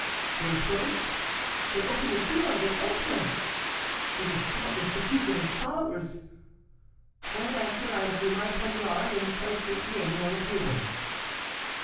They approach, they open the door they enter! It is, doubtless, the duke and his followers.' For an answer, I drew my poniard, and placed it near me on the table.